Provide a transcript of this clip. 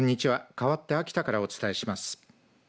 かわって秋田からお伝えします。